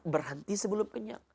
berhenti sebelum kenyang